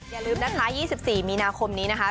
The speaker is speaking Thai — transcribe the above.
อย่าลืมนัทล้ายไ๒๔มีนาคมนี้นะคะ